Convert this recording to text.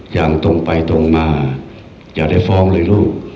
อย่างตรงไปตรงมาอย่าได้ฟ้องเลยลูก